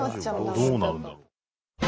どうなるんだろう？